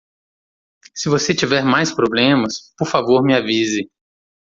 Se você tiver mais problemas?, por favor me avise.